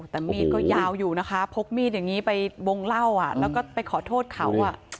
แต่มีดก็ยาวอยู่นะคะพกมีดอย่างนี้ไปวงเล่าแล้วก็ไปขอโทษเขา